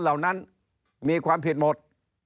เหล่านั้นมีความผิดหมด